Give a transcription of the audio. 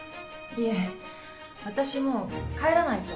いえ私もう帰らないと。